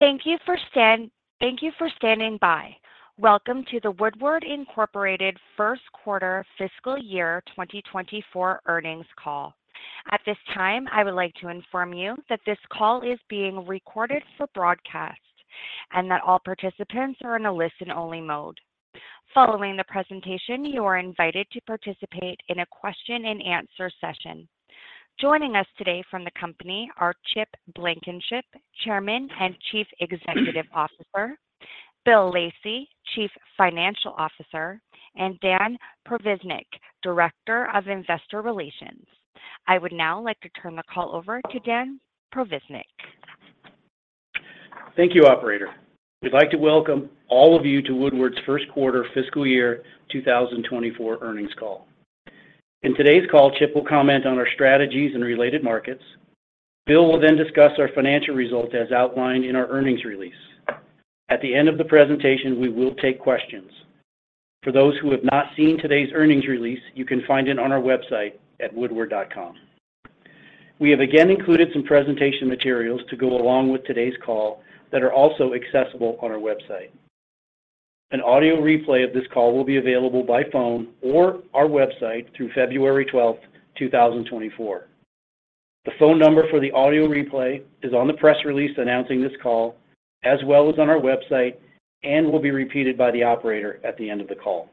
Thank you for standing by. Welcome to the Woodward, Inc. Q1 fiscal year 2024 earnings call. At this time, I would like to inform you that this call is being recorded for broadcast and that all participants are in a listen-only mode. Following the presentation, you are invited to participate in a question-and-answer session. Joining us today from the company are Chip Blankenship, Chairman and Chief Executive Officer, Bill Lacey, Chief Financial Officer, and Dan Provaznik, Director of Investor Relations. I would now like to turn the call over to Dan Provaznik. Thank you, Operator. We'd like to welcome all of you to Woodward's Q1 fiscal year 2024 earnings call. In today's call, Chip will comment on our strategies in related markets. Bill will then discuss our financial result as outlined in our earnings release. At the end of the presentation, we will take questions. For those who have not seen today's earnings release, you can find it on our website at woodward.com. We have again included some presentation materials to go along with today's call that are also accessible on our website. An audio replay of this call will be available by phone or our website through February 12, 2024. The phone number for the audio replay is on the press release announcing this call, as well as on our website, and will be repeated by the Operator at the end of the call.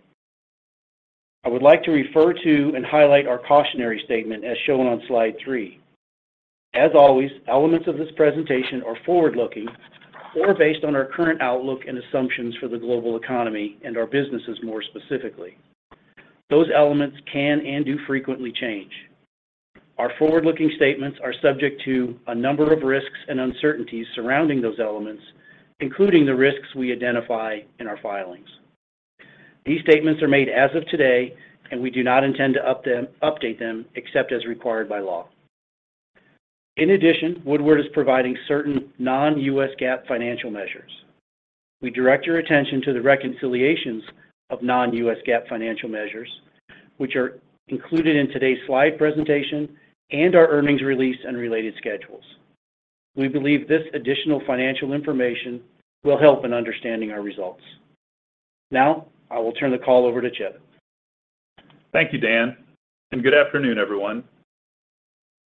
I would like to refer to and highlight our cautionary statement as shown on slide 3. As always, elements of this presentation are forward-looking or based on our current outlook and assumptions for the global economy and our businesses more specifically. Those elements can and do frequently change. Our forward-looking statements are subject to a number of risks and uncertainties surrounding those elements, including the risks we identify in our filings. These statements are made as of today, and we do not intend to update them except as required by law. In addition, Woodward is providing certain non-U.S. GAAP financial measures. We direct your attention to the reconciliations of non-U.S. GAAP financial measures, which are included in today's slide presentation and our earnings release and related schedules. We believe this additional financial information will help in understanding our results. Now, I will turn the call over to Chip. Thank you, Dan, and good afternoon, everyone.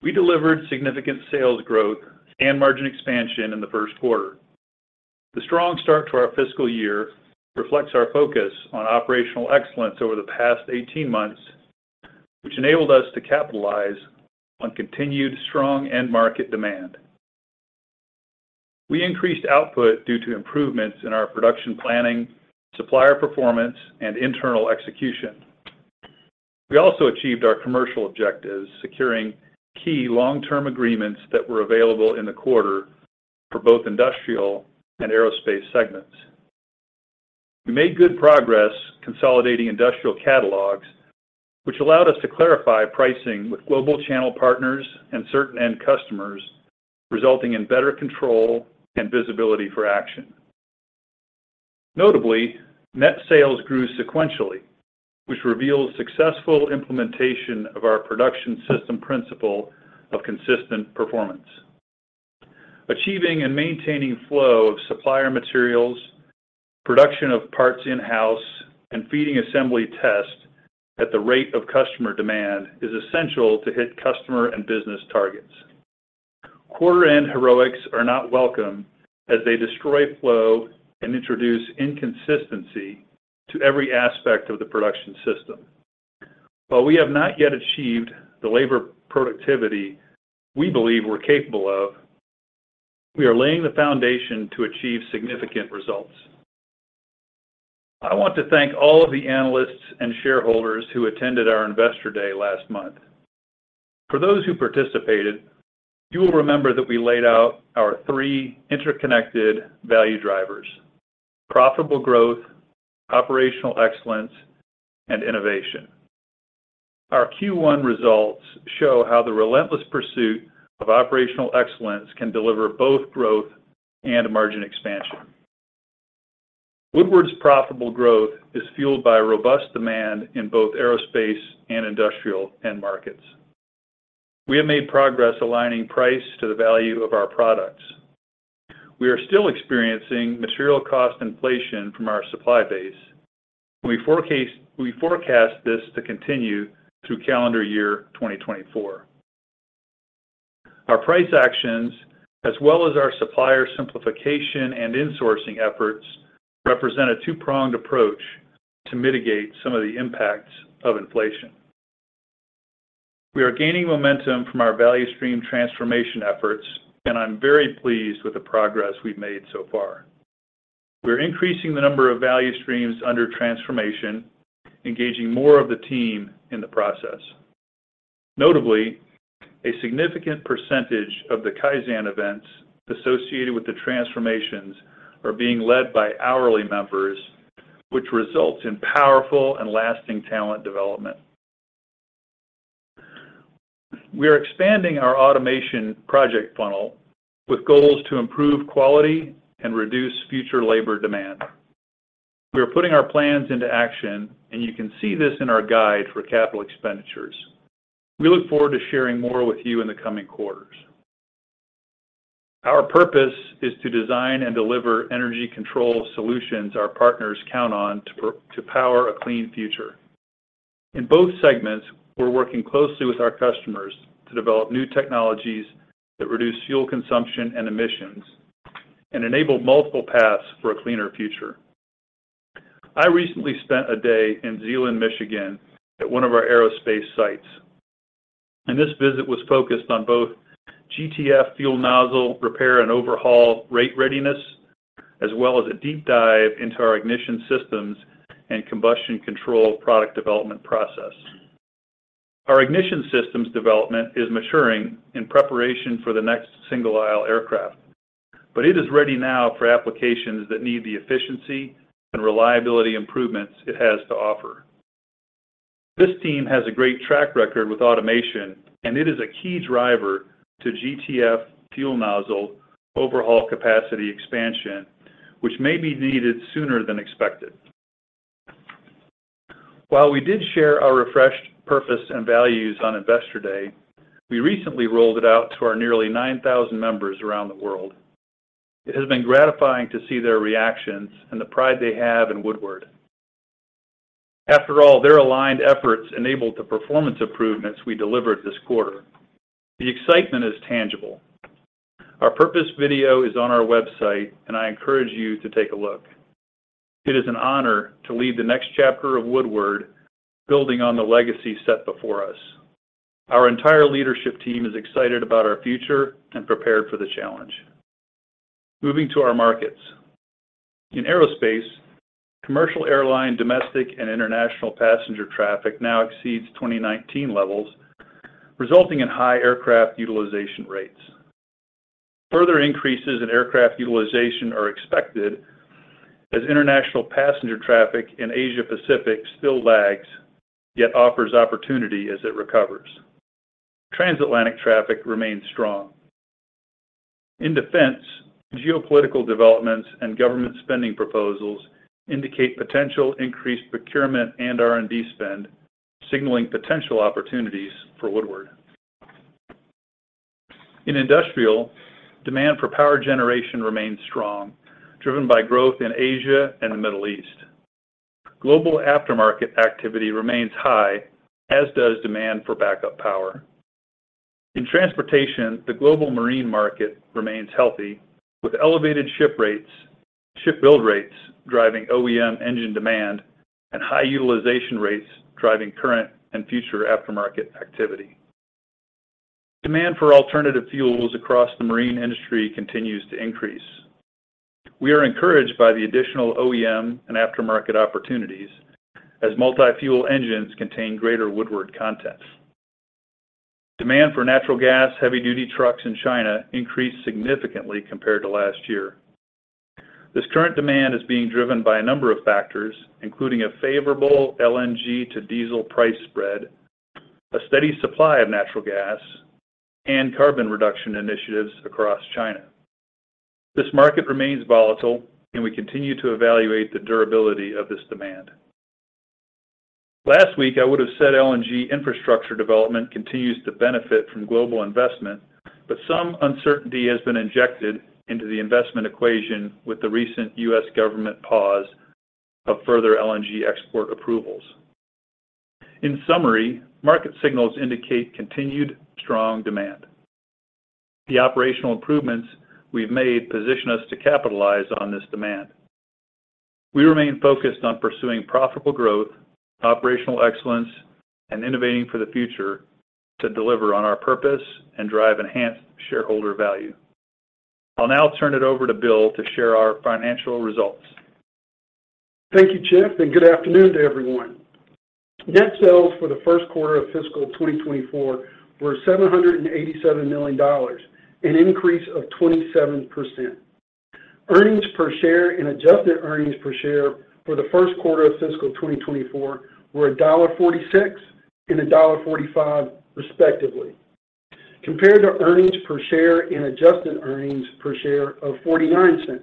We delivered significant sales growth and margin expansion in the Q1. The strong start to our fiscal year reflects our focus on operational excellence over the past 18 months, which enabled us to capitalize on continued strong end-market demand. We increased output due to improvements in our production planning, supplier performance, and internal execution. We also achieved our commercial objectives, securing key long-term agreements that were available in the quarter for both industrial and aerospace segments. We made good progress consolidating industrial catalogs, which allowed us to clarify pricing with global channel partners and certain end customers, resulting in better control and visibility for action. Notably, net sales grew sequentially, which reveals successful implementation of our production system principle of consistent performance. Achieving and maintaining flow of supplier materials, production of parts in-house, and feeding assembly test at the rate of customer demand is essential to hit customer and business targets. Quarter-end heroics are not welcome as they destroy flow and introduce inconsistency to every aspect of the production system. While we have not yet achieved the labor productivity we believe we're capable of, we are laying the foundation to achieve significant results. I want to thank all of the analysts and shareholders who attended our Investor Day last month. For those who participated, you will remember that we laid out our three interconnected value drivers: profitable growth, operational excellence, and innovation. Our Q1 results show how the relentless pursuit of operational excellence can deliver both growth and margin expansion. Woodward's profitable growth is fueled by robust demand in both aerospace and industrial end markets. We have made progress aligning price to the value of our products. We are still experiencing material cost inflation from our supply base, and we forecast this to continue through calendar year 2024. Our price actions, as well as our supplier simplification and insourcing efforts, represent a two-pronged approach to mitigate some of the impacts of inflation. We are gaining momentum from our value stream transformation efforts, and I'm very pleased with the progress we've made so far. We are increasing the number of value streams under transformation, engaging more of the team in the process. Notably, a significant percentage of the Kaizen events associated with the transformations are being led by hourly members, which results in powerful and lasting talent development. We are expanding our automation project funnel with goals to improve quality and reduce future labor demand. We are putting our plans into action, and you can see this in our guide for capital expenditures. We look forward to sharing more with you in the coming quarters. Our purpose is to design and deliver energy control solutions our partners count on to power a clean future. In both segments, we're working closely with our customers to develop new technologies that reduce fuel consumption and emissions and enable multiple paths for a cleaner future. I recently spent a day in Zeeland, Michigan, at one of our aerospace sites. This visit was focused on both GTF fuel nozzle repair and overhaul rate readiness, as well as a deep dive into our ignition systems and combustion control product development process. Our ignition systems development is maturing in preparation for the next single-aisle aircraft, but it is ready now for applications that need the efficiency and reliability improvements it has to offer. This team has a great track record with automation, and it is a key driver to GTF fuel nozzle overhaul capacity expansion, which may be needed sooner than expected. While we did share our refreshed purpose and values on Investor Day, we recently rolled it out to our nearly 9,000 members around the world. It has been gratifying to see their reactions and the pride they have in Woodward. After all, their aligned efforts enabled the performance improvements we delivered this quarter. The excitement is tangible. Our purpose video is on our website, and I encourage you to take a look. It is an honor to lead the next chapter of Woodward, building on the legacy set before us. Our entire leadership team is excited about our future and prepared for the challenge. Moving to our markets. In aerospace, commercial airline domestic and international passenger traffic now exceeds 2019 levels, resulting in high aircraft utilization rates. Further increases in aircraft utilization are expected as international passenger traffic in Asia-Pacific still lags yet offers opportunity as it recovers. Transatlantic traffic remains strong. In defense, geopolitical developments and government spending proposals indicate potential increased procurement and R&D spend, signaling potential opportunities for Woodward. In industrial, demand for power generation remains strong, driven by growth in Asia and the Middle East. Global aftermarket activity remains high, as does demand for backup power. In transportation, the global marine market remains healthy, with elevated shipbuilding rates driving OEM engine demand and high utilization rates driving current and future aftermarket activity. Demand for alternative fuels across the marine industry continues to increase. We are encouraged by the additional OEM and aftermarket opportunities as multi-fuel engines contain greater Woodward content. Demand for natural gas heavy-duty trucks in China increased significantly compared to last year. This current demand is being driven by a number of factors, including a favorable LNG-to-diesel price spread, a steady supply of natural gas, and carbon reduction initiatives across China. This market remains volatile, and we continue to evaluate the durability of this demand. Last week, I would have said LNG infrastructure development continues to benefit from global investment, but some uncertainty has been injected into the investment equation with the recent U.S. government pause of further LNG export approvals. In summary, market signals indicate continued strong demand. The operational improvements we've made position us to capitalize on this demand. We remain focused on pursuing profitable growth, operational excellence, and innovating for the future to deliver on our purpose and drive enhanced shareholder value. I'll now turn it over to Bill to share our financial results. Thank you, Chip, and good afternoon to everyone. Net sales for the Q1 of fiscal 2024 were $787 million, an increase of 27%. Earnings per share and adjusted earnings per share for the Q1 of fiscal 2024 were $1.46 and $1.45, respectively. Compared to earnings per share and adjusted earnings per share of $0.49,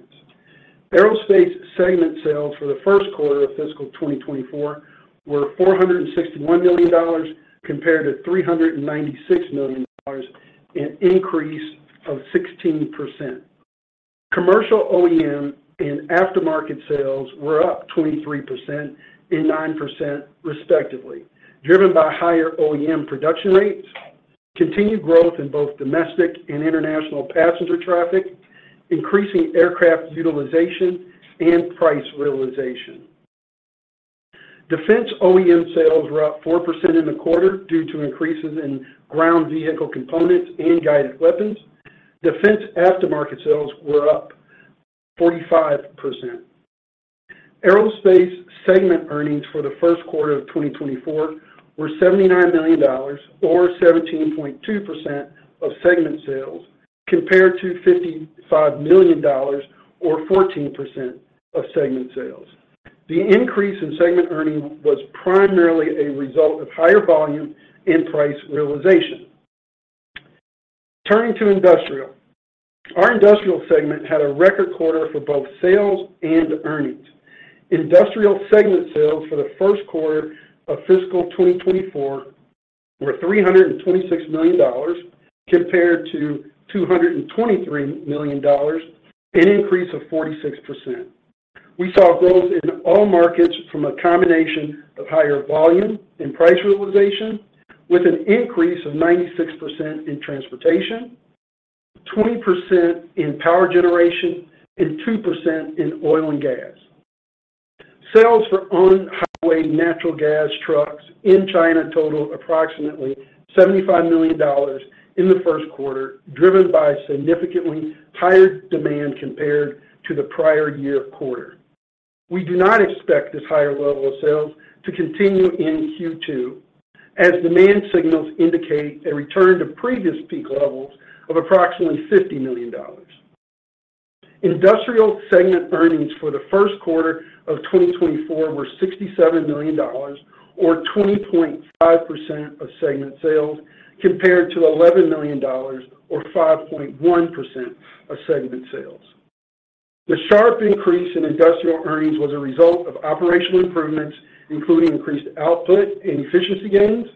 aerospace segment sales for the Q1 of fiscal 2024 were $461 million compared to $396 million, an increase of 16%. Commercial OEM and aftermarket sales were up 23% and 9%, respectively, driven by higher OEM production rates, continued growth in both domestic and international passenger traffic, increasing aircraft utilization, and price realization. Defense OEM sales were up 4% in the quarter due to increases in ground vehicle components and guided weapons. Defense aftermarket sales were up 45%. Aerospace segment earnings for the Q1 of 2024 were $79 million, or 17.2% of segment sales, compared to $55 million, or 14% of segment sales. The increase in segment earnings was primarily a result of higher volume and price realization. Turning to industrial, our industrial segment had a record quarter for both sales and earnings. Industrial segment sales for the Q1 of fiscal 2024 were $326 million, compared to $223 million, an increase of 46%. We saw growth in all markets from a combination of higher volume and price realization, with an increase of 96% in transportation, 20% in power generation, and 2% in oil and gas. Sales for on-highway natural gas trucks in China totaled approximately $75 million in the Q1, driven by significantly higher demand compared to the prior year quarter. We do not expect this higher level of sales to continue in Q2, as demand signals indicate a return to previous peak levels of approximately $50 million. Industrial segment earnings for the Q1 of 2024 were $67 million, or 20.5% of segment sales, compared to $11 million, or 5.1% of segment sales. The sharp increase in industrial earnings was a result of operational improvements, including increased output and efficiency gains,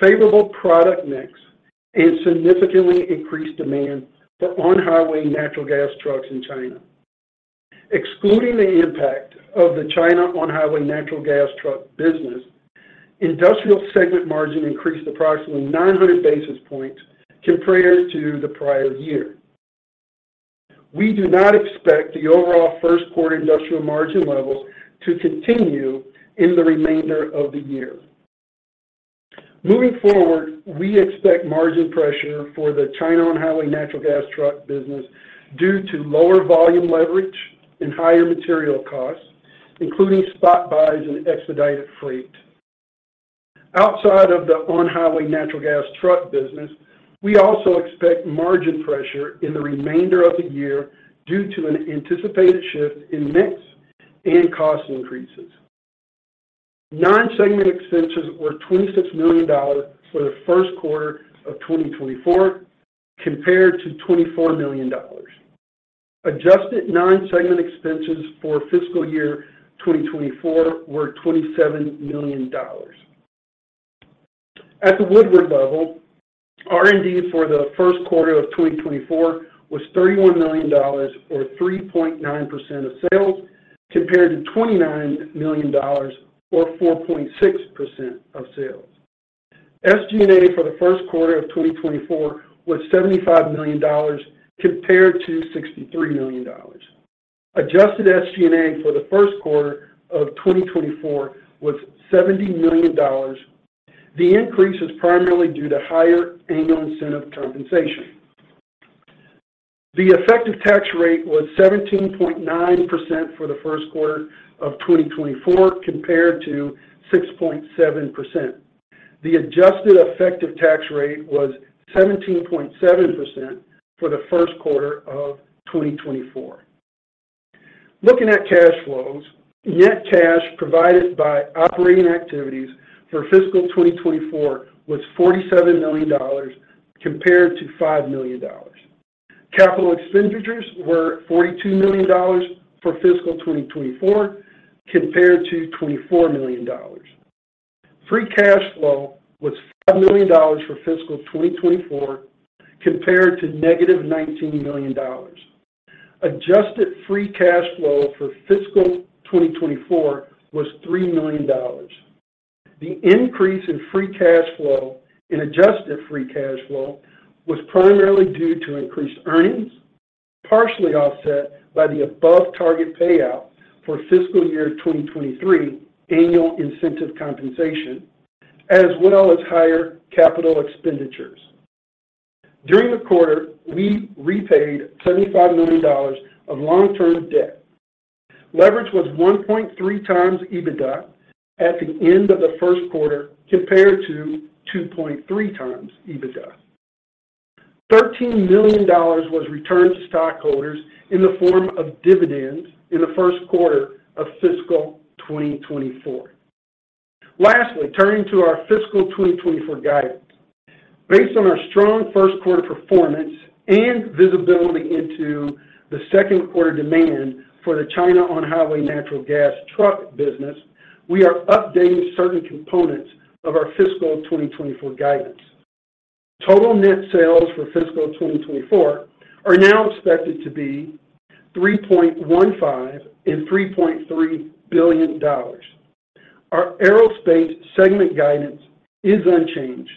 favorable product mix, and significantly increased demand for on-highway natural gas trucks in China. Excluding the impact of the China on-highway natural gas truck business, industrial segment margin increased approximately 900 basis points, compared to the prior year. We do not expect the overall Q1 industrial margin levels to continue in the remainder of the year. Moving forward, we expect margin pressure for the China on-highway natural gas truck business due to lower volume leverage and higher material costs, including spot buys and expedited freight. Outside of the on-highway natural gas truck business, we also expect margin pressure in the remainder of the year due to an anticipated shift in mix and cost increases. Non-segment expenses were $26 million for the Q1 of 2024, compared to $24 million. Adjusted non-segment expenses for fiscal year 2024 were $27 million. At the Woodward level, R&D for the Q1 of 2024 was $31 million, or 3.9% of sales, compared to $29 million, or 4.6% of sales. SG&A for the Q1 of 2024 was $75 million, compared to $63 million. Adjusted SG&A for the Q1 of 2024 was $70 million. The increase is primarily due to higher annual incentive compensation. The effective tax rate was 17.9% for the Q1 of 2024, compared to 6.7%. The adjusted effective tax rate was 17.7% for the Q1 of 2024. Looking at cash flows, net cash provided by operating activities for fiscal 2024 was $47 million, compared to $5 million. Capital expenditures were $42 million for fiscal 2024, compared to $24 million. Free cash flow was $5 million for fiscal 2024, compared to -$19 million. Adjusted free cash flow for fiscal 2024 was $3 million. The increase in free cash flow and adjusted free cash flow was primarily due to increased earnings, partially offset by the above-target payout for fiscal year 2023 annual incentive compensation, as well as higher capital expenditures. During the quarter, we repaid $75 million of long-term debt. Leverage was 1.3x EBITDA at the end of the Q1, compared to 2.3x EBITDA. $13 million was returned to stockholders in the form of dividends in the Q1 of fiscal 2024. Lastly, turning to our fiscal 2024 guidance. Based on our strong Q1 performance and visibility into the Q2 demand for the China on-highway natural gas truck business, we are updating certain components of our fiscal 2024 guidance. Total net sales for fiscal 2024 are now expected to be $3.15-$3.3 billion. Our aerospace segment guidance is unchanged.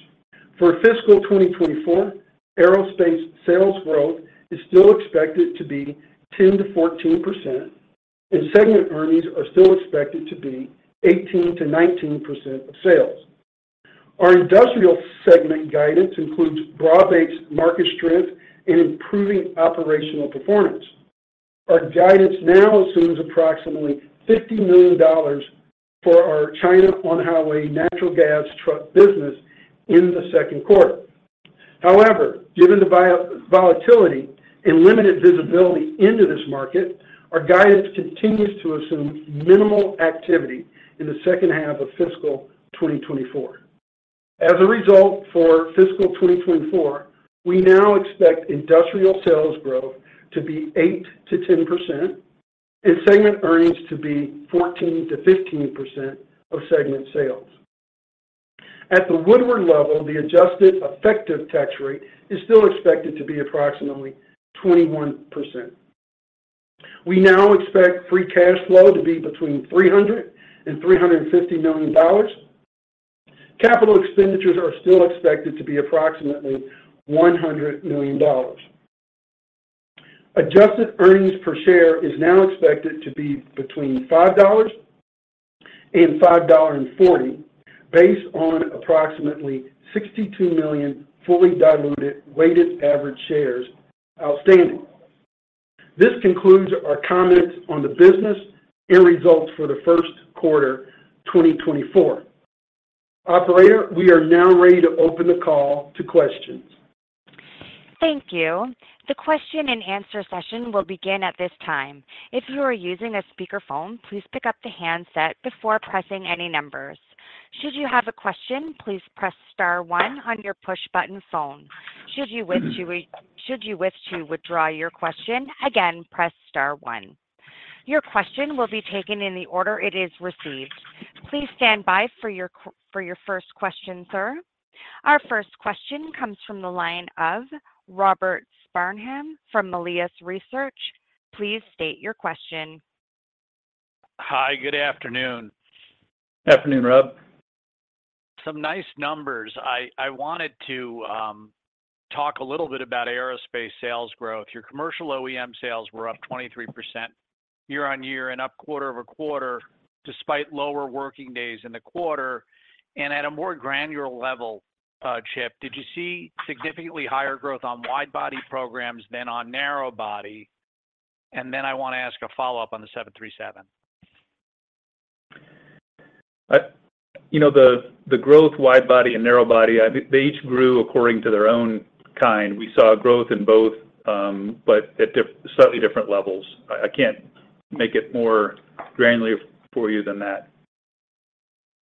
For fiscal 2024, aerospace sales growth is still expected to be 10%-14%, and segment earnings are still expected to be 18%-19% of sales. Our industrial segment guidance includes broad-based market strength and improving operational performance. Our guidance now assumes approximately $50 million for our China on-highway natural gas truck business in the Q2. However, given the volatility and limited visibility into this market, our guidance continues to assume minimal activity in the second half of fiscal 2024. As a result, for fiscal 2024, we now expect industrial sales growth to be 8%-10%, and segment earnings to be 14%-15% of segment sales. At the Woodward level, the adjusted effective tax rate is still expected to be approximately 21%. We now expect free cash flow to be between $300 and $350 million. Capital expenditures are still expected to be approximately $100 million. Adjusted earnings per share is now expected to be between $5 and $5.40, based on approximately 62 million fully diluted weighted average shares outstanding. This concludes our comments on the business and results for the Q1 2024. Operator, we are now ready to open the call to questions. Thank you. The question and answer session will begin at this time. If you are using a speakerphone, please pick up the handset before pressing any numbers. Should you have a question, please press star 1 on your push-button phone. Should you wish to withdraw your question, again, press star 1. Your question will be taken in the order it is received. Please stand by for your first question, sir. Our first question comes from the line of Robert Spingarn from Melius Research. Please state your question. Hi, good afternoon. Good afternoon, Rob. Some nice numbers. I wanted to talk a little bit about aerospace sales growth. Your commercial OEM sales were up 23% year-over-year and up quarter-over-quarter despite lower working days in the quarter. And at a more granular level, Chip, did you see significantly higher growth on wide-body programs than on narrow-body? And then I want to ask a follow-up on the 737. You know, the growth wide-body and narrow-body, they each grew according to their own kind. We saw growth in both, but at slightly different levels. I can't make it more granular for you than that.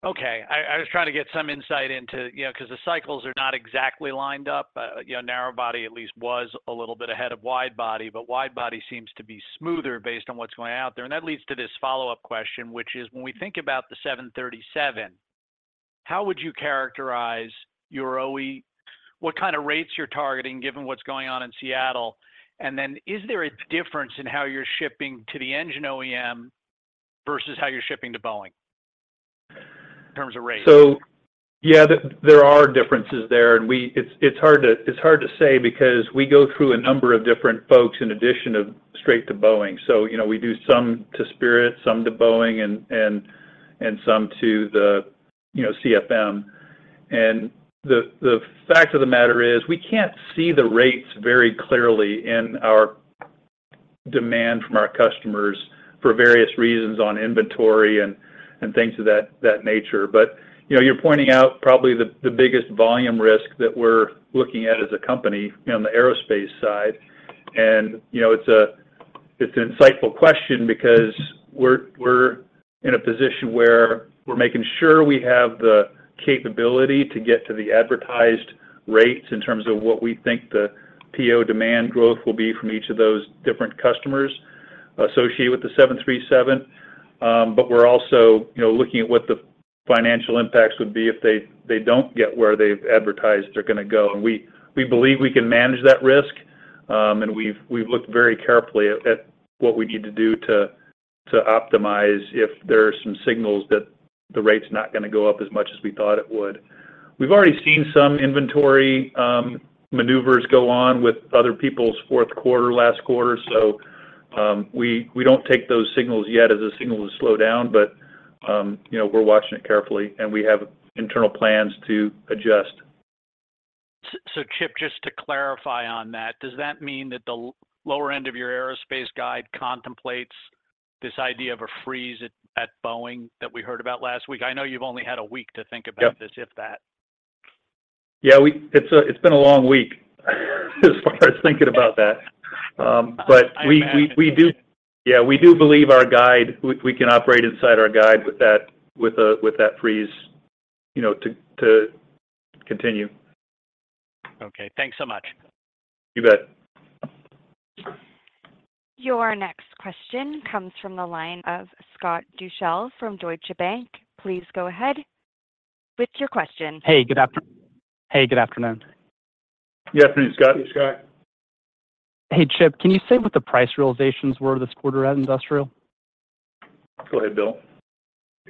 Okay. I was trying to get some insight into because the cycles are not exactly lined up. Narrow-body at least was a little bit ahead of wide-body, but wide-body seems to be smoother based on what's going out there. And that leads to this follow-up question, which is when we think about the 737, how would you characterize your OEM? What kind of rates you're targeting given what's going on in Seattle? And then is there a difference in how you're shipping to the engine OEM versus how you're shipping to Boeing in terms of rates? So yeah, there are differences there. It's hard to say because we go through a number of different folks in addition to straight to Boeing. We do some to Spirit, some to Boeing, and some to the CFM. The fact of the matter is we can't see the rates very clearly in our demand from our customers for various reasons on inventory and things of that nature. But you're pointing out probably the biggest volume risk that we're looking at as a company on the aerospace side. It's an insightful question because we're in a position where we're making sure we have the capability to get to the advertised rates in terms of what we think the PO demand growth will be from each of those different customers associated with the 737. But we're also looking at what the financial impacts would be if they don't get where they've advertised they're going to go. And we believe we can manage that risk. And we've looked very carefully at what we need to do to optimize if there are some signals that the rate's not going to go up as much as we thought it would. We've already seen some inventory maneuvers go on with other people's Q4, last quarter. So we don't take those signals yet as the signals slow down, but we're watching it carefully, and we have internal plans to adjust. Chip, just to clarify on that, does that mean that the lower end of your aerospace guide contemplates this idea of a freeze at Boeing that we heard about last week? I know you've only had a week to think about this, if that. Yeah, it's been a long week as far as thinking about that. But yeah, we do believe our guide we can operate inside our guide with that freeze to continue. Okay. Thanks so much. You bet. Your next question comes from the line of Scott Deuschle from Deutsche Bank. Please go ahead with your question. Hey, good afternoon. Hey, good afternoon. Good afternoon, Scott. Hey, Scott. Hey, Chip, can you say what the price realizations were this quarter at Industrial? Go ahead, Bill.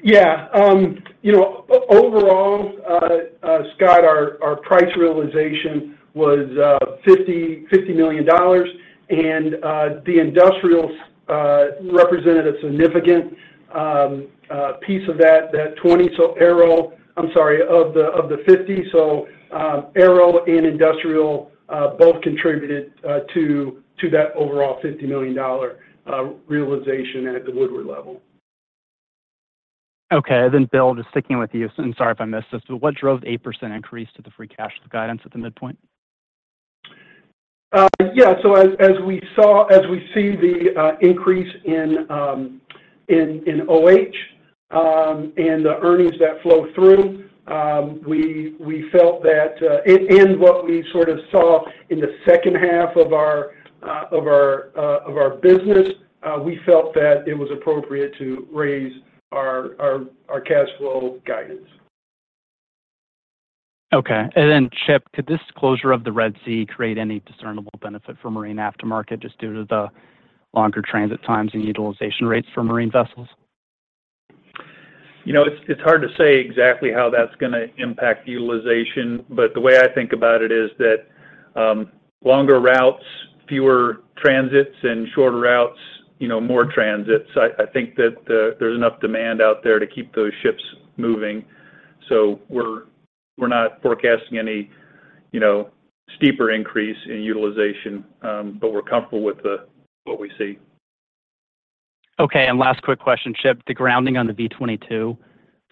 Yeah. Overall, Scott, our price realization was $50 million. And the Industrial represented a significant piece of that 20. I'm sorry, of the 50. So Aero and Industrial both contributed to that overall $50 million realization at the Woodward level. Okay. Then Bill, just sticking with you, I'm sorry if I missed this, but what drove the 8% increase to the free cash guidance at the midpoint? Yeah. So as we see the increase in OH and the earnings that flow through, we felt that and what we sort of saw in the second half of our business, we felt that it was appropriate to raise our cash flow guidance. Okay. And then Chip, could this closure of the Red Sea create any discernible benefit for marine aftermarket just due to the longer transit times and utilization rates for marine vessels? It's hard to say exactly how that's going to impact utilization, but the way I think about it is that longer routes, fewer transits, and shorter routes, more transits. I think that there's enough demand out there to keep those ships moving. So we're not forecasting any steeper increase in utilization, but we're comfortable with what we see. Okay. Last quick question, Chip, the grounding on the V-22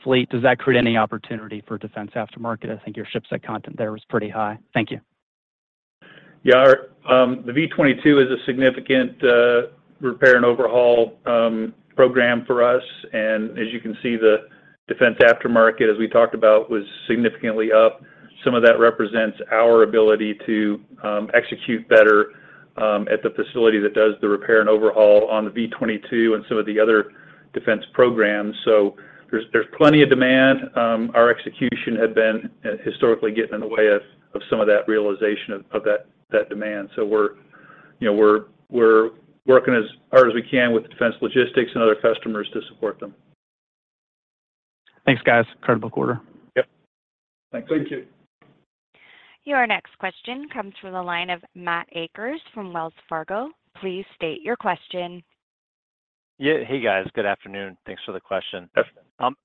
fleet, does that create any opportunity for defense aftermarket? I think your shipset content there was pretty high. Thank you. Yeah. The V-22 is a significant repair and overhaul program for us. And as you can see, the defense aftermarket, as we talked about, was significantly up. Some of that represents our ability to execute better at the facility that does the repair and overhaul on the V-22 and some of the other defense programs. So there's plenty of demand. Our execution had been historically getting in the way of some of that realization of that demand. So we're working as hard as we can with defense logistics and other customers to support them. Thanks, guys. Incredible quarter. Yep. Thanks. Thank you. Your next question comes from the line of Matt Akers from Wells Fargo. Please state your question. Hey, guys. Good afternoon. Thanks for the question.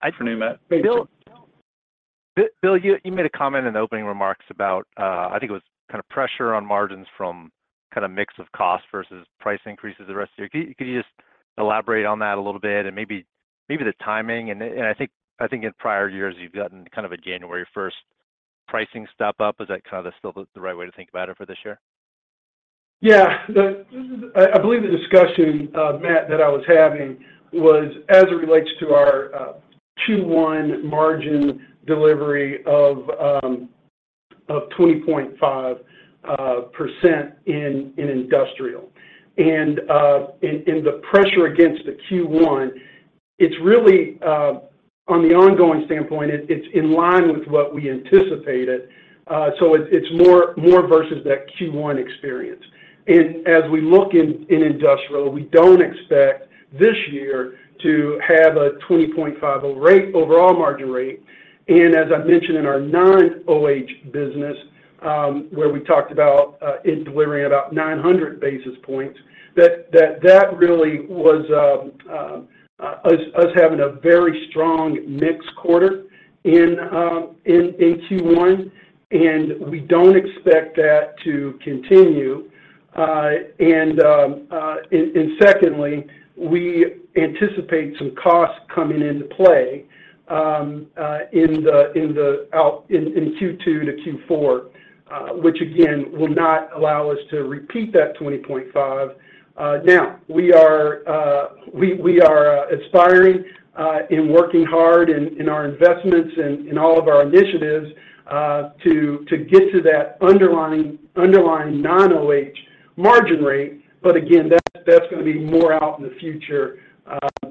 Afternoon, Matt. Bill, you made a comment in the opening remarks about I think it was kind of pressure on margins from kind of mix of costs versus price increases the rest of the year. Could you just elaborate on that a little bit and maybe the timing? And I think in prior years, you've gotten kind of a January 1st pricing step up. Is that kind of still the right way to think about it for this year? Yeah. I believe the discussion, Matt, that I was having was as it relates to our Q1 margin delivery of 20.5% in Industrial. And in the pressure against the Q1, it's really on the ongoing standpoint, it's in line with what we anticipated. So it's more versus that Q1 experience. And as we look in Industrial, we don't expect this year to have a 20.5% overall margin rate. And as I mentioned in our non-OH business, where we talked about it delivering about 900 basis points, that really was us having a very strong mixed quarter in Q1. And we don't expect that to continue. And secondly, we anticipate some costs coming into play in Q2 to Q4, which again will not allow us to repeat that 20.5%. Now, we are aspiring and working hard in our investments and all of our initiatives to get to that underlying non-OH margin rate. But again, that's going to be more out in the future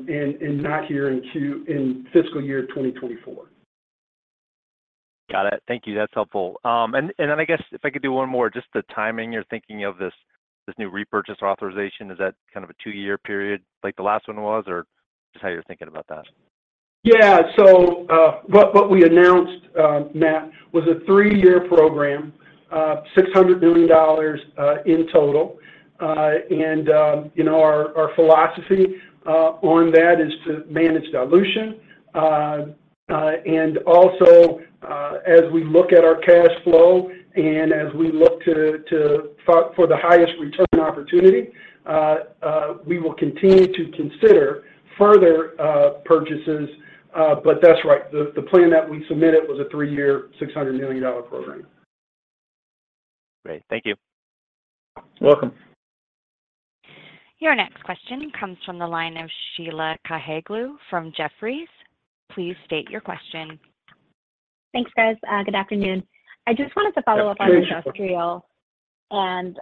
and not here in fiscal year 2024. Got it. Thank you. That's helpful. Then I guess if I could do one more, just the timing you're thinking of this new repurchase authorization, is that kind of a two-year period like the last one was, or just how you're thinking about that? Yeah. So what we announced, Matt, was a three-year program, $600 million in total. And our philosophy on that is to manage dilution. And also, as we look at our cash flow and as we look for the highest returning opportunity, we will continue to consider further purchases. But that's right. The plan that we submitted was a three-year $600 million program. Great. Thank you. Welcome. Your next question comes from the line of Sheila Kahyaoglu from Jefferies. Please state your question. Thanks, guys. Good afternoon. I just wanted to follow up on Industrial and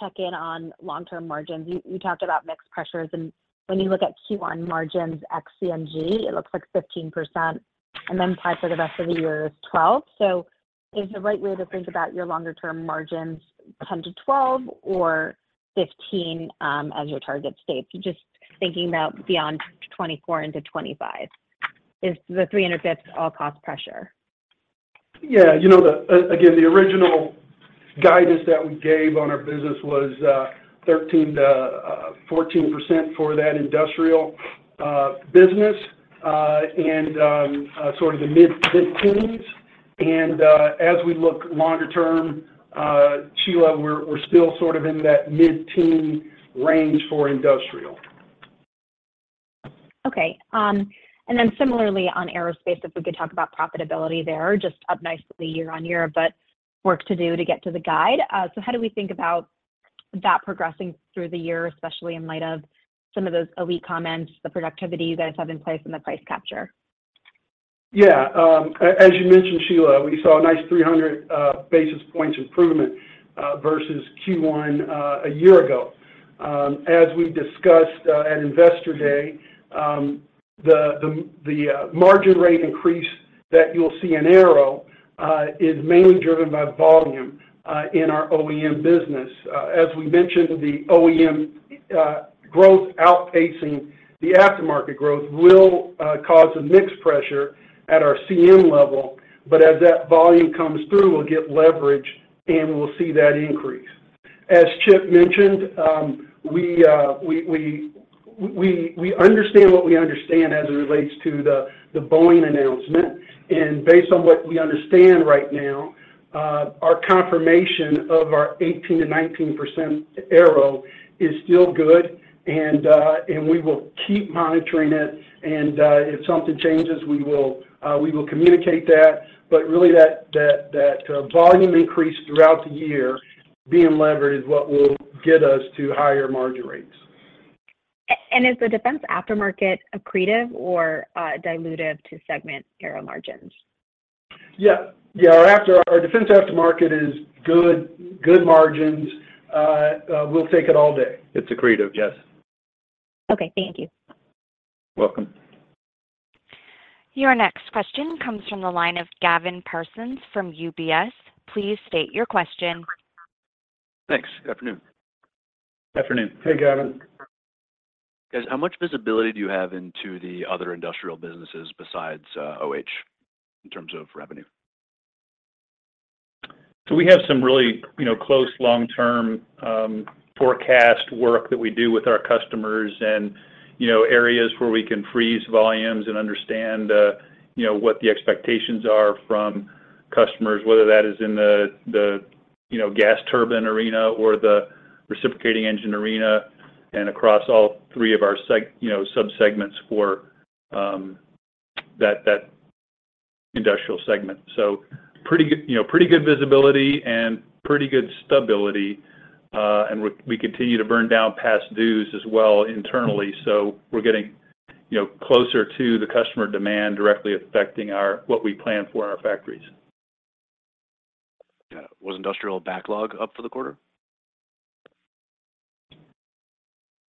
check in on long-term margins. You talked about mix pressures. And when you look at Q1 margins ex-CNG, it looks like 15% and then applies for the rest of the year 12%. So is the right way to think about your longer-term margins 10%-12% or 15% as your target state, just thinking about beyond 2024 into 2025? Is the 300 basis points all cost pressure? Yeah. Again, the original guidance that we gave on our business was 13%-14% for that industrial business and sort of the mid-15s. As we look longer-term, Sheila, we're still sort of in that mid-teens range for industrial. Okay. And then similarly, on aerospace, if we could talk about profitability there, just up nicely year-over-year, but work to do to get to the guide. So how do we think about that progressing through the year, especially in light of some of those OE comments, the productivity you guys have in place, and the price capture? Yeah. As you mentioned, Sheila, we saw a nice 300 basis points improvement versus Q1 a year ago. As we discussed at Investor Day, the margin rate increase that you'll see in Aero is mainly driven by volume in our OEM business. As we mentioned, the OEM growth outpacing the aftermarket growth will cause a mixed pressure at our CM level. But as that volume comes through, we'll get leverage and we'll see that increase. As Chip mentioned, we understand what we understand as it relates to the Boeing announcement. And based on what we understand right now, our confirmation of our 18%-19% Aero is still good. And we will keep monitoring it. And if something changes, we will communicate that. But really, that volume increase throughout the year being leveraged is what will get us to higher margin rates. Is the defense aftermarket accretive or dilutive to segment Aero margins? Yeah. Yeah. Our defense aftermarket is good margins. We'll take it all day. It's accretive, yes. Okay. Thank you. Welcome. Your next question comes from the line of Gavin Parsons from UBS. Please state your question. Thanks. Afternoon. Afternoon. Hey, Gavin. Guys, how much visibility do you have into the other industrial businesses besides OH in terms of revenue? So we have some really close long-term forecast work that we do with our customers and areas where we can freeze volumes and understand what the expectations are from customers, whether that is in the gas turbine arena or the reciprocating engine arena and across all three of our subsegments for that industrial segment. So pretty good visibility and pretty good stability. And we continue to burn down past dues as well internally. So we're getting closer to the customer demand directly affecting what we plan for our factories. Got it. Was industrial backlog up for the quarter?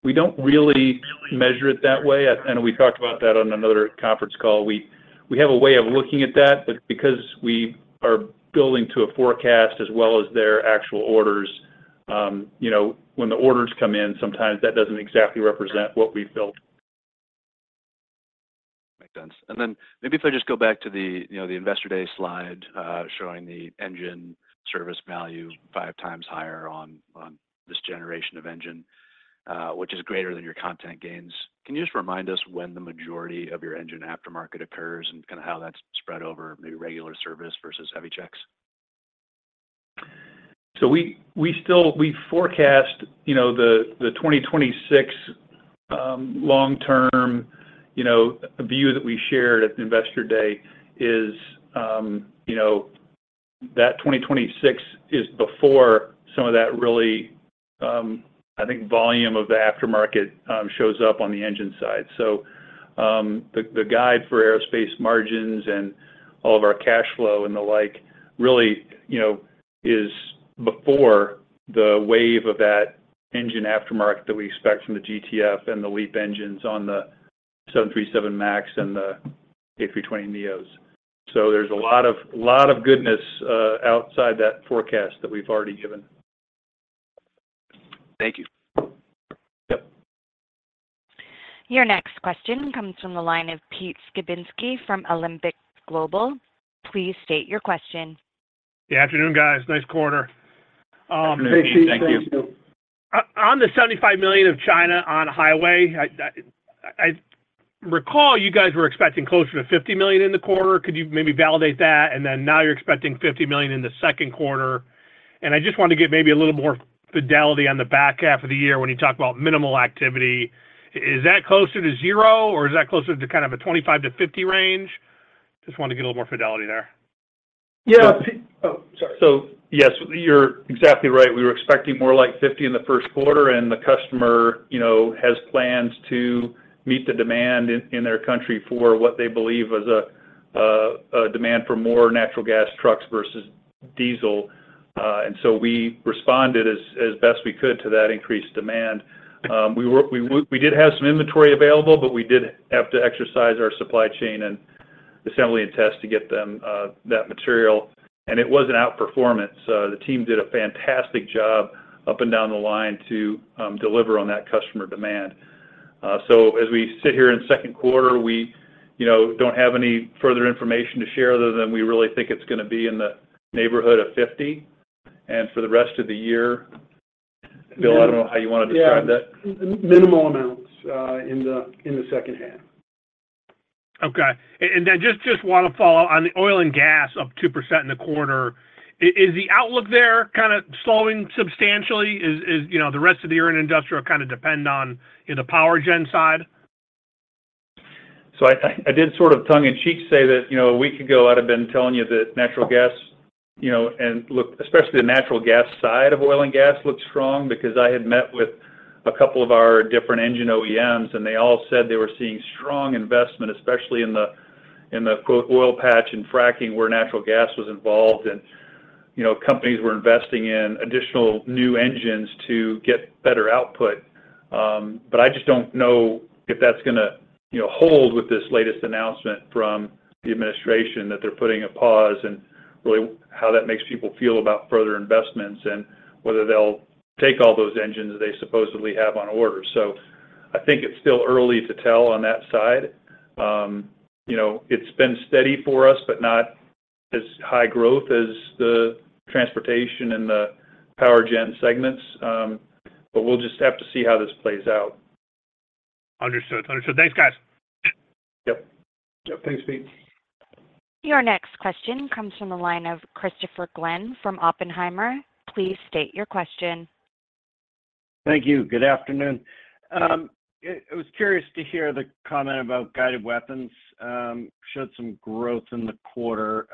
We don't really measure it that way. We talked about that on another conference call. We have a way of looking at that. Because we are building to a forecast as well as their actual orders, when the orders come in, sometimes that doesn't exactly represent what we've built. Makes sense. Then maybe if I just go back to the Investor Day slide showing the engine service value five times higher on this generation of engine, which is greater than your content gains, can you just remind us when the majority of your engine aftermarket occurs and kind of how that's spread over maybe regular service versus heavy checks? So we forecast the 2026 long-term view that we shared at Investor Day is that 2026 is before some of that really, I think, volume of the aftermarket shows up on the engine side. So the guide for aerospace margins and all of our cash flow and the like really is before the wave of that engine aftermarket that we expect from the GTF and the LEAP engines on the 737 MAX and the A320neo. So there's a lot of goodness outside that forecast that we've already given. Thank you. Your next question comes from the line of Pete Skibitski from Alembic Global. Please state your question. Good afternoon, guys. Nice quarter. Good afternoon, Pete. Thank you. On the $75 million of China on-highway, I recall you guys were expecting closer to $50 million in the quarter. Could you maybe validate that? Then now you're expecting $50 million in the Q2. I just want to get maybe a little more fidelity on the back half of the year when you talk about minimal activity. Is that closer to zero, or is that closer to kind of a $25-$50 million range? Just want to get a little more fidelity there. Yeah. Oh, sorry. So yes, you're exactly right. We were expecting more like 50 in the Q1. And the customer has plans to meet the demand in their country for what they believe is a demand for more natural gas trucks versus diesel. And so we responded as best we could to that increased demand. We did have some inventory available, but we did have to exercise our supply chain and assembly and test to get them that material. And it was an outperformance. The team did a fantastic job up and down the line to deliver on that customer demand. So as we sit here in Q2, we don't have any further information to share other than we really think it's going to be in the neighborhood of 50. And for the rest of the year, Bill, I don't know how you want to describe that. Yeah. Minimal amounts in the second half. Okay. And then just want to follow on the oil and gas up 2% in the quarter. Is the outlook there kind of slowing substantially? Is the rest of the year in industrial kind of depend on the power gen side? So I did sort of tongue-in-cheek say that a week ago, I'd have been telling you that natural gas and especially the natural gas side of oil and gas looks strong because I had met with a couple of our different engine OEMs, and they all said they were seeing strong investment, especially in the "oil patch" and fracking where natural gas was involved and companies were investing in additional new engines to get better output. But I just don't know if that's going to hold with this latest announcement from the administration that they're putting a pause and really how that makes people feel about further investments and whether they'll take all those engines they supposedly have on order. So I think it's still early to tell on that side. It's been steady for us, but not as high growth as the transportation and the power gen segments. We'll just have to see how this plays out. Understood. Understood. Thanks, guys. Yep. Yep. Thanks, Pete. Your next question comes from the line of Christopher Glynn from Oppenheimer. Please state your question. Thank you. Good afternoon. I was curious to hear the comment about guided weapons. Showed some growth in the quarter.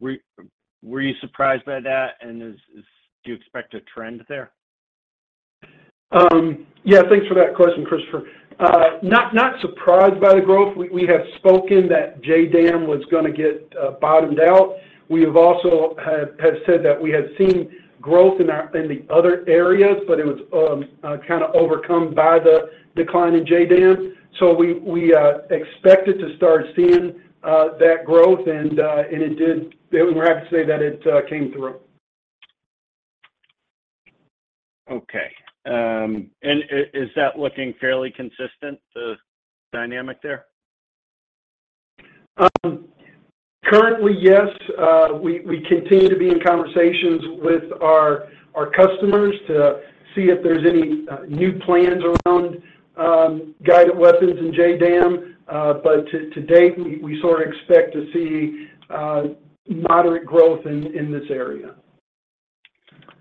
Were you surprised by that? And do you expect a trend there? Yeah. Thanks for that question, Christopher. Not surprised by the growth. We have spoken that JDAM was going to get bottomed out. We have also said that we had seen growth in the other areas, but it was kind of overcome by the decline in JDAM. So we expected to start seeing that growth. We were happy to say that it came through. Okay. And is that looking fairly consistent, the dynamic there? Currently, yes. We continue to be in conversations with our customers to see if there's any new plans around guided weapons and JDAM. But to date, we sort of expect to see moderate growth in this area.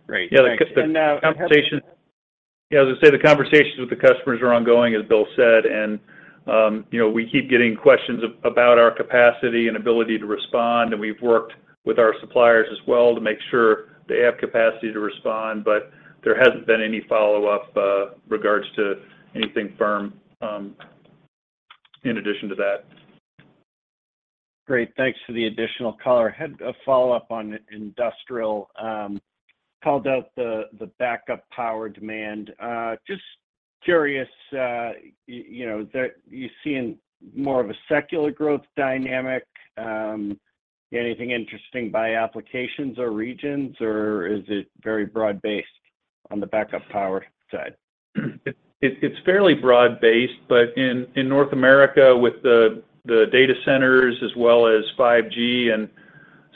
Great. Yeah. And the conversations with the customers are ongoing, as Bill said. And we keep getting questions about our capacity and ability to respond. And we've worked with our suppliers as well to make sure they have capacity to respond. But there hasn't been any follow-up regards to anything firm in addition to that. Great. Thanks for the additional caller. I had a follow-up on industrial. Called out the backup power demand. Just curious, are you seeing more of a secular growth dynamic? Anything interesting by applications or regions, or is it very broad-based on the backup power side? It's fairly broad-based. But in North America, with the data centers as well as 5G and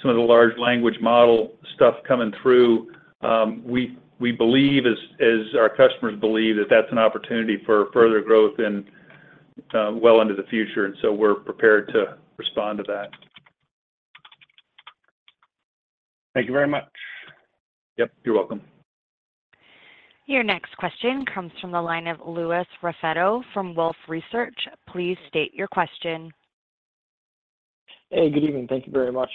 some of the large language model stuff coming through, we believe, as our customers believe, that that's an opportunity for further growth well into the future. And so we're prepared to respond to that. Thank you very much. Yep. You're welcome. Your next question comes from the line of Louis Raffetto from Wolfe Research. Please state your question. Hey. Good evening. Thank you very much.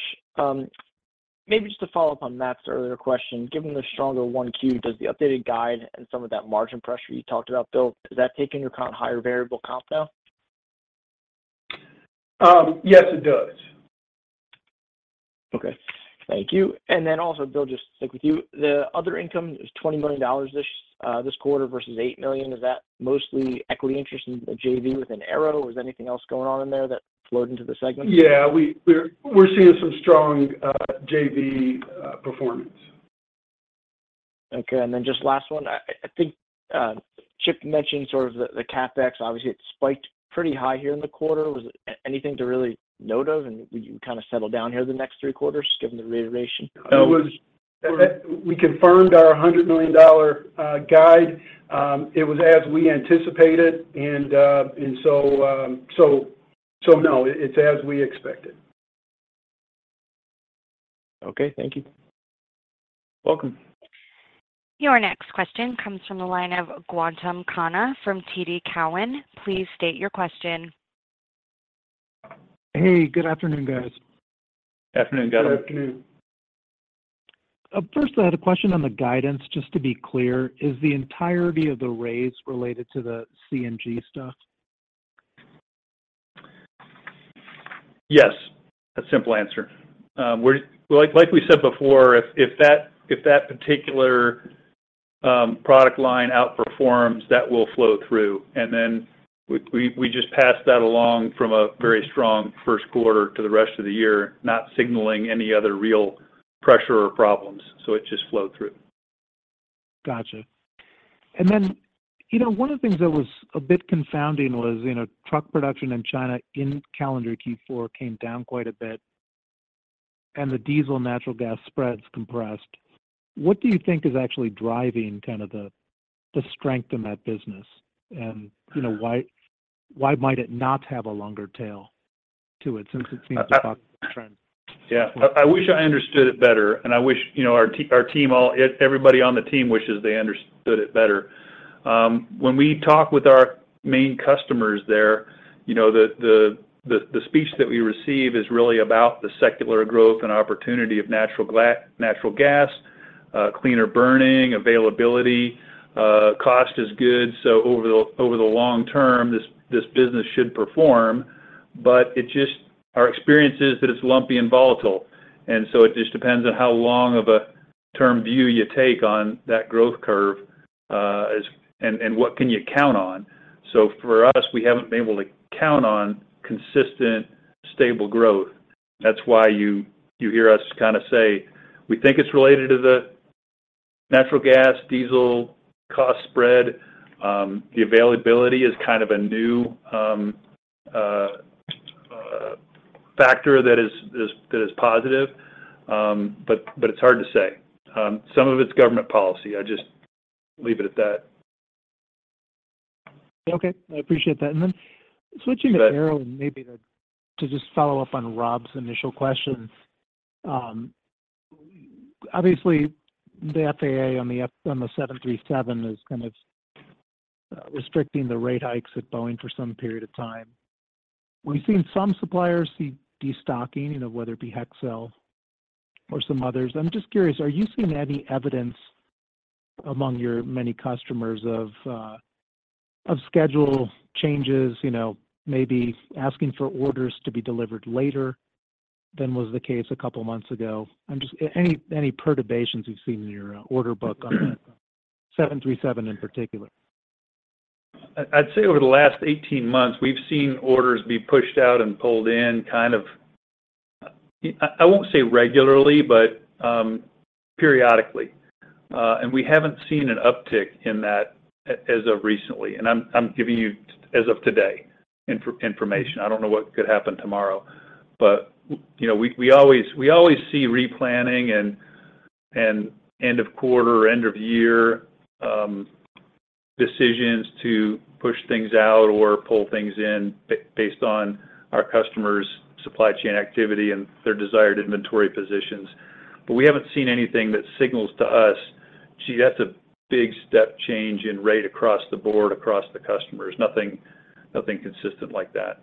Maybe just a follow-up on Matt's earlier question. Given the stronger 1Q, does the updated guide and some of that margin pressure you talked about, Bill, is that taking into account higher variable comp now? Yes, it does. Okay. Thank you. And then also, Bill, just stick with you. The other income is $20 million this quarter versus $8 million. Is that mostly equity interest in the JV within Aero? Is anything else going on in there that floated into the segments? Yeah. We're seeing some strong JV performance. Okay. And then just last one. I think Chip mentioned sort of the CapEx. Obviously, it spiked pretty high here in the quarter. Was there anything to really note of? And would you kind of settle down here the next three quarters, given the reiteration? No. We confirmed our $100 million guide. It was as we anticipated. And so no, it's as we expected. Okay. Thank you. Welcome. Your next question comes from the line of Gautam Khanna from TD Cowen. Please state your question. Hey. Good afternoon, guys. Afternoon, Gautam. Good afternoon. First, I have a question on the guidance. Just to be clear, is the entirety of the raise related to the CNG stuff? Yes. A simple answer. Like we said before, if that particular product line outperforms, that will flow through. And then we just passed that along from a very strong Q1 to the rest of the year, not signaling any other real pressure or problems. So it just flowed through. Gotcha. And then one of the things that was a bit confounding was truck production in China in calendar Q4 came down quite a bit. And the diesel natural gas spreads compressed. What do you think is actually driving kind of the strength in that business? And why might it not have a longer tail to it since it's been talking about the trend? Yeah. I wish I understood it better. I wish our team all everybody on the team wishes they understood it better. When we talk with our main customers there, the speech that we receive is really about the secular growth and opportunity of natural gas, cleaner burning, availability. Cost is good. Over the long term, this business should perform. But our experience is that it's lumpy and volatile. It just depends on how long of a term view you take on that growth curve and what can you count on. For us, we haven't been able to count on consistent, stable growth. That's why you hear us kind of say we think it's related to the natural gas, diesel cost spread. The availability is kind of a new factor that is positive. But it's hard to say. Some of it's government policy. I just leave it at that. Okay. I appreciate that. Then switching to Aero and maybe to just follow up on Rob's initial questions. Obviously, the FAA on the 737 is kind of restricting the rate hikes at Boeing for some period of time. We've seen some suppliers see destocking, whether it be Hexcel or some others. I'm just curious, are you seeing any evidence among your many customers of schedule changes, maybe asking for orders to be delivered later than was the case a couple of months ago? Any perturbations you've seen in your order book on the 737 in particular? I'd say over the last 18 months, we've seen orders be pushed out and pulled in kind of I won't say regularly, but periodically. We haven't seen an uptick in that as of recently. I'm giving you as of today information. I don't know what could happen tomorrow. We always see replanning and end-of-quarter, end-of-year decisions to push things out or pull things in based on our customers' supply chain activity and their desired inventory positions. We haven't seen anything that signals to us, "Gee, that's a big step change in rate across the board, across the customers." Nothing consistent like that.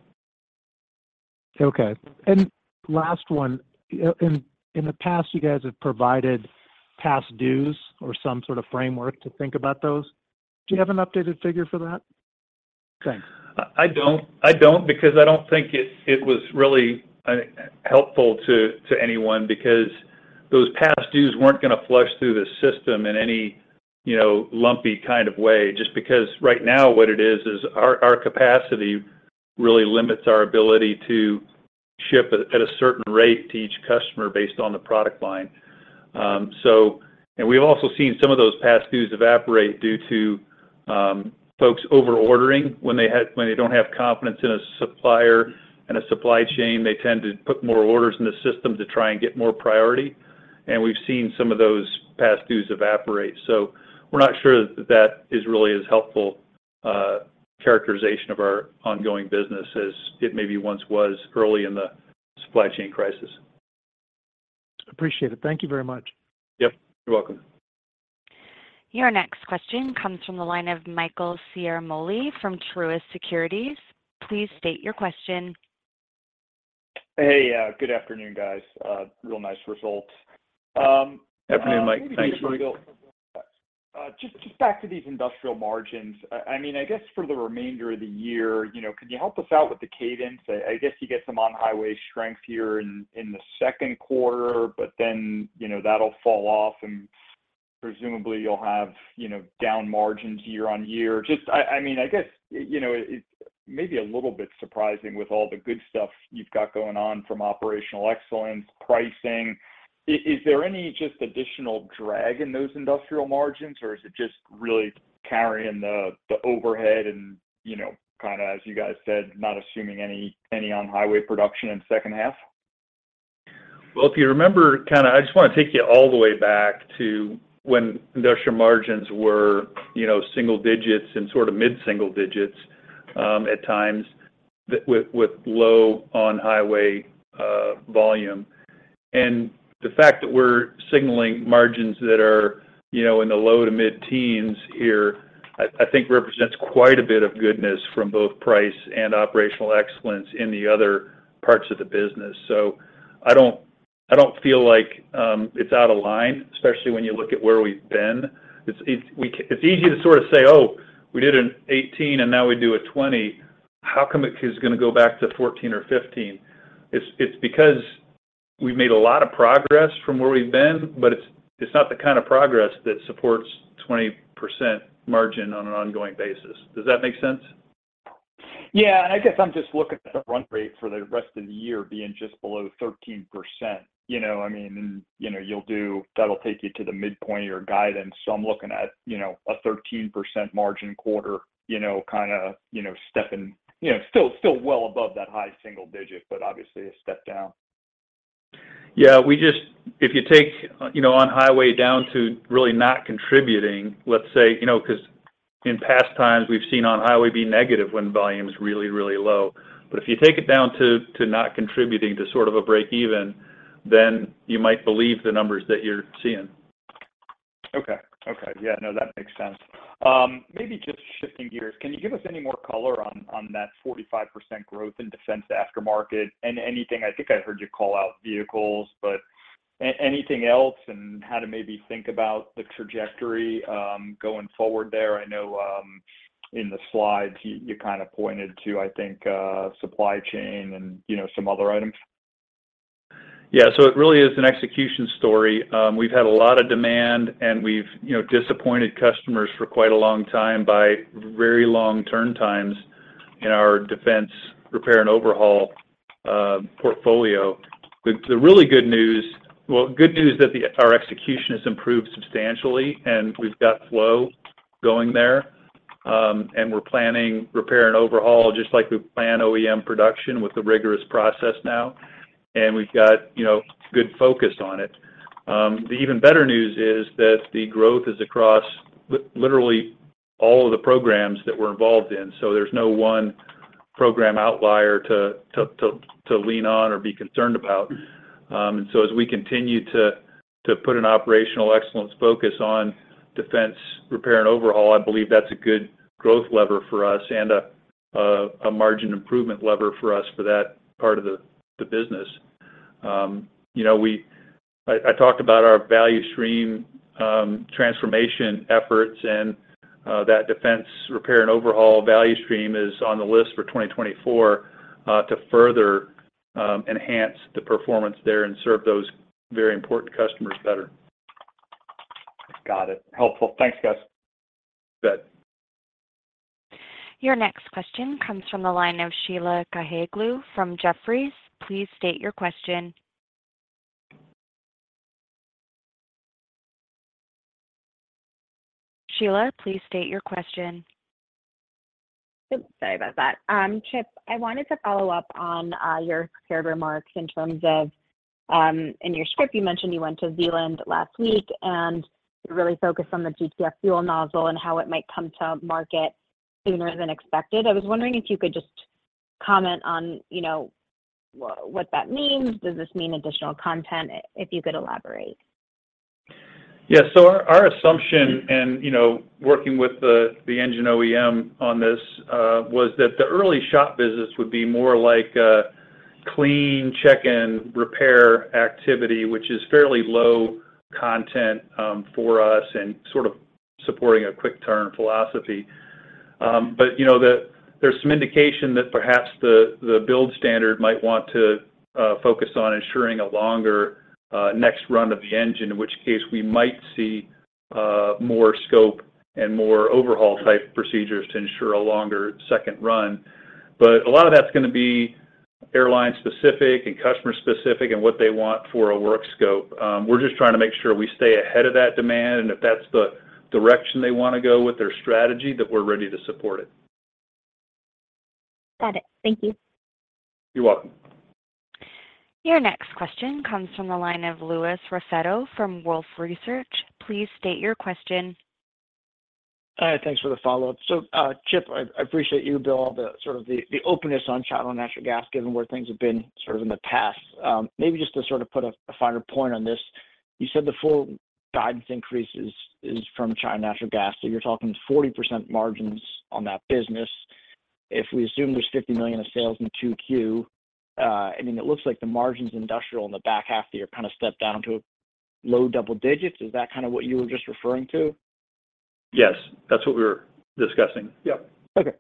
Okay. And last one. In the past, you guys have provided past dues or some sort of framework to think about those. Do you have an updated figure for that? I don't because I don't think it was really helpful to anyone because those past dues weren't going to flush through the system in any lumpy kind of way. Just because right now, what it is, is our capacity really limits our ability to ship at a certain rate to each customer based on the product line. And we've also seen some of those past dues evaporate due to folks overordering. When they don't have confidence in a supplier and a supply chain, they tend to put more orders in the system to try and get more priority. And we've seen some of those past dues evaporate. So we're not sure that that is really as helpful characterization of our ongoing business as it maybe once was early in the supply chain crisis. Appreciate it. Thank you very much. Yep. You're welcome. Your next question comes from the line of Michael Ciarmoli from Truist Securities. Please state your question. Hey. Good afternoon, guys. Real nice results. Good afternoon, Mike. Thanks. Thank you, Bill. Just back to these industrial margins. I mean, I guess for the remainder of the year, can you help us out with the cadence? I guess you get some on-highway strength here in the Q2, but then that'll fall off. Presumably, you'll have down margins year-over-year. I mean, I guess maybe a little bit surprising with all the good stuff you've got going on from operational excellence, pricing. Is there any just additional drag in those industrial margins, or is it just really carrying the overhead and kind of, as you guys said, not assuming any on-highway production in the second half? Well, if you remember, kind of I just want to take you all the way back to when industrial margins were single digits and sort of mid-single digits at times with low on-highway volume. The fact that we're signaling margins that are in the low to mid-teens here, I think represents quite a bit of goodness from both price and operational excellence in the other parts of the business. I don't feel like it's out of line, especially when you look at where we've been. It's easy to sort of say, "Oh, we did an 18, and now we do a 20. How come it is going to go back to 14 or 15?" It's because we've made a lot of progress from where we've been, but it's not the kind of progress that supports 20% margin on an ongoing basis. Does that make sense? Yeah. And I guess I'm just looking at the run rate for the rest of the year being just below 13%. I mean, you'll do that'll take you to the midpoint or guidance. So I'm looking at a 13% margin quarter kind of stepping still well above that high single digit, but obviously a step down. Yeah. If you take On-Highway down to really not contributing, let's say because in past times, we've seen On-Highway be negative when volume's really, really low. But if you take it down to not contributing to sort of a break-even, then you might believe the numbers that you're seeing. Okay. Okay. Yeah. No, that makes sense. Maybe just shifting gears, can you give us any more color on that 45% growth in defense aftermarket and anything? I think I heard you call out vehicles, but anything else and how to maybe think about the trajectory going forward there? I know in the slides, you kind of pointed to, I think, supply chain and some other items. Yeah. So it really is an execution story. We've had a lot of demand, and we've disappointed customers for quite a long time by very long turn times in our defense repair and overhaul portfolio. The really good news, well, good news is that our execution has improved substantially, and we've got flow going there. And we're planning repair and overhaul just like we plan OEM production with the rigorous process now. And we've got good focus on it. The even better news is that the growth is across literally all of the programs that we're involved in. So there's no one program outlier to lean on or be concerned about. And so as we continue to put an operational excellence focus on defense repair and overhaul, I believe that's a good growth lever for us and a margin improvement lever for us for that part of the business. I talked about our value stream transformation efforts, and that defense repair and overhaul value stream is on the list for 2024 to further enhance the performance there and serve those very important customers better. Got it. Helpful. Thanks, guys. Good. Your next question comes from the line of Sheila Kahyaoglu from Jefferies. Please state your question. Sheila, please state your question. Sorry about that. Chip, I wanted to follow up on your prepared remarks in terms of in your script, you mentioned you went to Zeeland last week, and you really focused on the GTF fuel nozzle and how it might come to market sooner than expected. I was wondering if you could just comment on what that means. Does this mean additional content? If you could elaborate. Yeah. So our assumption and working with the engine OEM on this was that the early shop business would be more like aclean, check, and repair activity, which is fairly low content for us and sort of supporting a quick-turn philosophy. But there's some indication that perhaps the build standard might want to focus on ensuring a longer next run of the engine, in which case we might see more scope and more overhaul-type procedures to ensure a longer second run. But a lot of that's going to be airline-specific and customer-specific and what they want for a work scope. We're just trying to make sure we stay ahead of that demand. And if that's the direction they want to go with their strategy, that we're ready to support it. Got it. Thank you. You're welcome. Your next question comes from the line of Louis Raffetto from Wolfe Research. Please state your question. Hi. Thanks for the follow-up. So Chip, I appreciate you, Bill, sort of the openness on China Natural Gas, given where things have been sort of in the past. Maybe just to sort of put a finer point on this, you said the full guidance increase is from China Natural Gas. So you're talking 40% margins on that business. If we assume there's $50 million of sales in Q2, I mean, it looks like the margins industrial in the back half of the year kind of stepped down to low double digits. Is that kind of what you were just referring to? Yes. That's what we were discussing. Yep. Okay.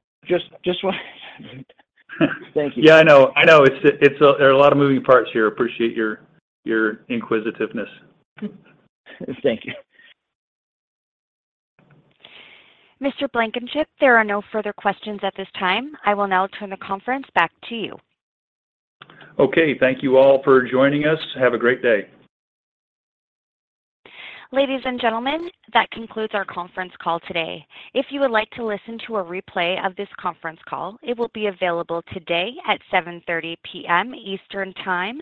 Thank you. Yeah. I know. I know. There are a lot of moving parts here. Appreciate your inquisitiveness. Thank you. Mr. Blankenship, there are no further questions at this time. I will now turn the conference back to you. Okay. Thank you all for joining us. Have a great day. Ladies and gentlemen, that concludes our conference call today. If you would like to listen to a replay of this conference call, it will be available today at 7:30 P.M. Eastern Time.